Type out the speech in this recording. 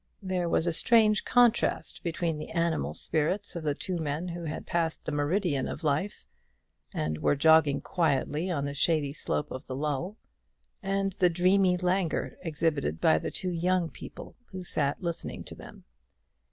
There was a strange contrast between the animal spirits of the two men who had passed the meridian of life, and were jogging quietly on the shady slope of the lull, and the dreamy languor exhibited by the two young people who sat listening to them.